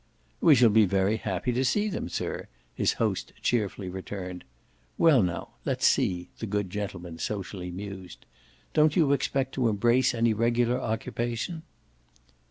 "We shall be very happy to see them, sir," his host cheerfully returned. "Well now, let's see," the good gentleman socially mused. "Don't you expect to embrace any regular occupation?"